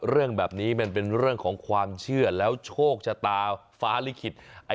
เรื่องแบบนี้มันเป็นเรื่องของความเชื่อแล้วโชคชะตาฟ้าลิขิต